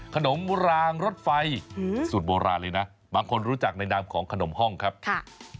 รางรถไฟสูตรโบราณเลยนะบางคนรู้จักในนามของขนมห้องครับค่ะ